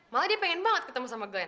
malah dia pengen banget ketemu sama glen